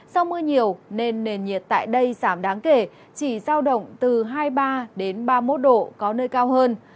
do mưa nhiều nên nền nhiệt tại đây giảm đáng kể chỉ giao động từ hai mươi ba đến ba mươi một độ có nơi cao hơn